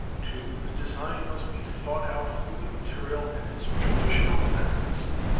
(2) The design must be thought out through the material and its traditional methods.